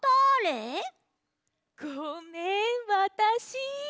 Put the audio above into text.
ごめんわたし。